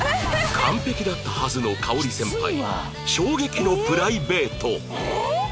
完璧だったはずの香織先輩の衝撃のプライベート何？